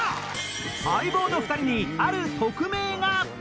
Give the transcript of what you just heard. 『相棒』の２人にある特命が！